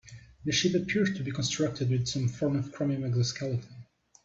The ship appeared to be constructed with some form of chromium exoskeleton.